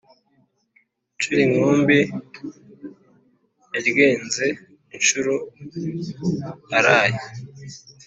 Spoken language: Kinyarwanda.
Curinkumbi yaryenze inshuro araye